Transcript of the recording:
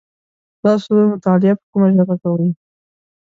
تاسو مطالعه په کومه ژبه کوی ؟